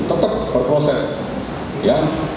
tetap berproses ya